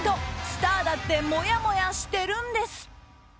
スターだってもやもやしてるんです！